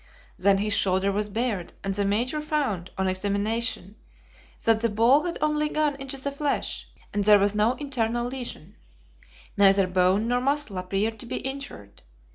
Then his shoulder was bared, and the Major found, on examination, that the ball had only gone into the flesh, and there was no internal lesion. Neither bone nor muscle appeared to be injured.